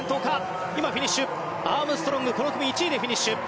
アームストロング、この組１位でフィニッシュ。